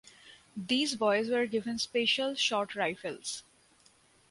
These boys were given special short rifles.